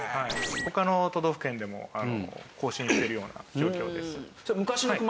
他の都道府県でも更新しているような状況です。